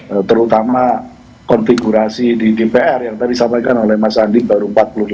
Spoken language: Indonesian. ya terutama konfigurasi di dpr yang tadi disampaikan oleh mas andi baru empat puluh delapan